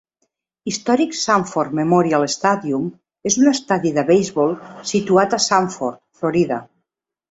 Historic Sanford Memorial Stadium és un estadi de beisbol situat a Sanford, Florida.